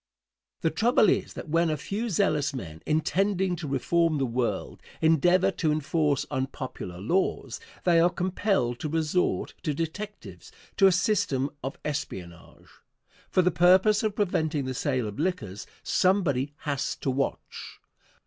The trouble is that when a few zealous men, intending to reform the world, endeavor to enforce unpopular laws, they are compelled to resort to detectives, to a system of espionage. For the purpose of preventing the sale of liquors somebody has to watch.